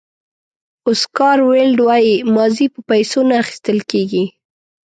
اوسکار ویلډ وایي ماضي په پیسو نه اخیستل کېږي.